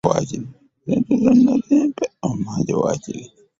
Ssente zonna zimpe ommanje waakiri.